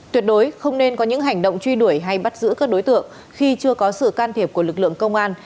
tuyệt đối không nên có những hành động truy đuổi hay bắt giữ các đối tượng khi chưa có sự can thiệp của lực lượng công an